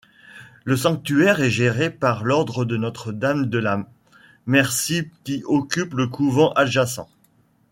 Le sanctuaire est géré par l'Ordre de Notre-Dame-de-la-Merci qui occupe le couvent adjacent.